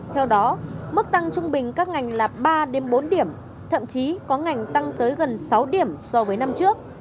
theo đó mức tăng trung bình các ngành là ba bốn điểm thậm chí có ngành tăng tới gần sáu điểm so với năm trước